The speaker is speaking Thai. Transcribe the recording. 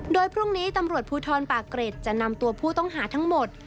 โดยพรุ่งนี้ตำรวจภูทรปากเกร็ดจะนำตัวผู้ต้องหาทั้งหมด